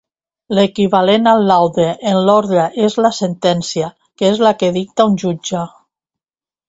L'equivalent al laude en l'ordre és la sentència, que és la que dicta un jutge.